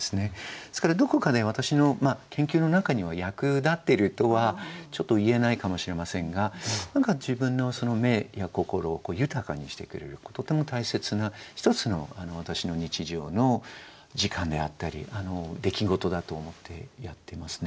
ですからどこかで私の研究の中には役立ってるとはちょっと言えないかもしれませんが何か自分の目や心を豊かにしてくれるとても大切な一つの私の日常の時間であったり出来事だと思ってやってますね。